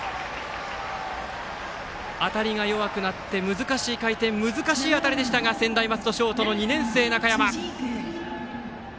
当たりが弱くなって難しい回転難しい当たりでしたが専大松戸、ショートの２年生、中山。